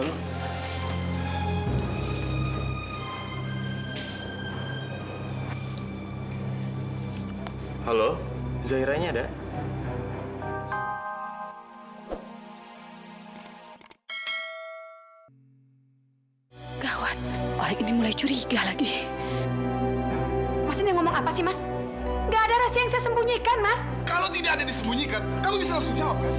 kalau tidak ada yang disembunyikan kamu bisa langsung jawabkan